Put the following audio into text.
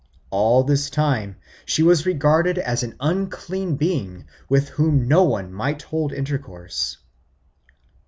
All this time she was regarded as an unclean being with whom no one might hold intercourse.